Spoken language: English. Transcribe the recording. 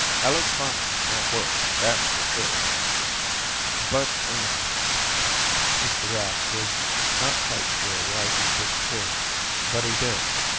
Electronics won't work, that's for sure." "But...." Mr. Rapp was not quite sure why he disapproved, but he did.